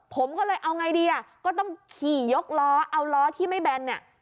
ผมก็เลยเอาไงดีอ่ะก็ต้องขี่ยกล้อเอาล้อที่ไม่แบนเนี่ย